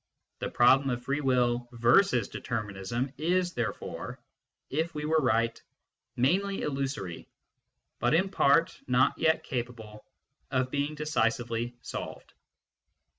The problem of free will versus determinism is therefore, if we were right, mainly illusory, but in part not yet capable of being decisively solved.